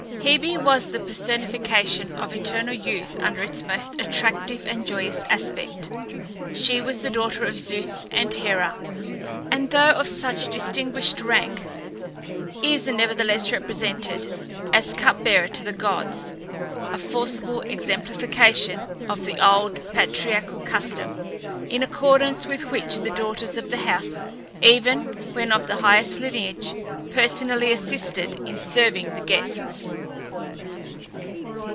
Hebe was the personification of eternal youth under its most attractive and joyous aspect. She was the daughter of Zeus and Hera, and though of such distinguished rank, is nevertheless represented as cup bearer to the gods; a forcible exemplification of the old patriarchal custom, in accordance with which the daughters of the house, even when of the highest lineage, personally assisted in serving the guests.